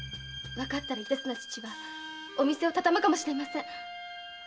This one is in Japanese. わかったら一徹な父はお店をたたむかもしれません。